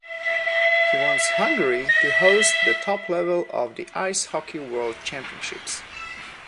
He wants Hungary to host the top level of the Ice Hockey World Championships.